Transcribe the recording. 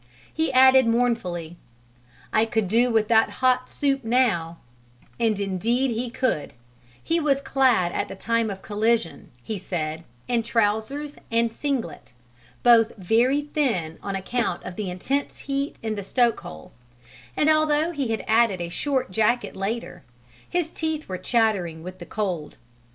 He added mournfully, "I could do with that hot soup now" and indeed he could: he was clad at the time of the collision, he said, in trousers and singlet, both very thin on account of the intense heat in the stoke hole; and although he had added a short jacket later, his teeth were chattering with the cold.